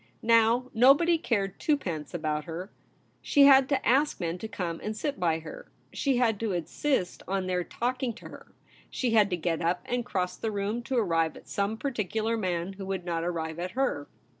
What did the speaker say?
Now, nobody cared twopence about her ; she had to ask men to come and sit by her ; she had to insist on their talking MADAME SPIN OLA AT HOME. to her ; she had to get up and cross the room to arrive at some particular man who would not arrive at her.